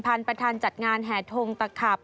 ก็เป็นประธานจัดงานแห่ทงตะขาบ